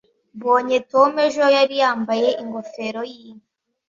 mbonye tom ejo, yari yambaye ingofero yinka